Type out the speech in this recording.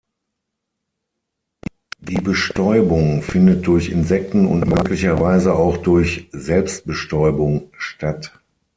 Die Bestäubung findet durch Insekten und möglicherweise auch durch Selbstbestäubung statt.